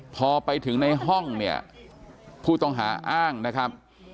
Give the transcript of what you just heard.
พอไปถึงในห้องเนี่ยผู้ต้องหาอ้างนะครับ